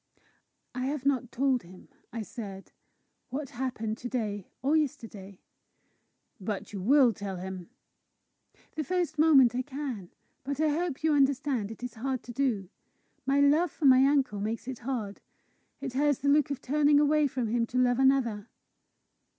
"I have not told him," I said, "what happened to day or yesterday." "But you will tell him?" "The first moment I can. But I hope you understand it is hard to do. My love for my uncle makes it hard. It has the look of turning away from him to love another!"